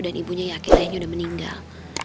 dan ibunya yakin ayahnya udah meninggal